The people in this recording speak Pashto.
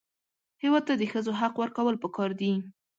هېواد ته د ښځو حق ورکول پکار دي